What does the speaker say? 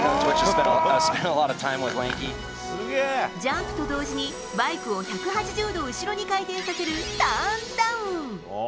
ジャンプと同時にバイクを１８０度後ろに回転させるターンダウン。